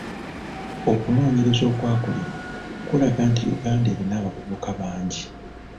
Okunoonyereza okwakakolebwa kulaga nti Uganda erina abavubuka bangi.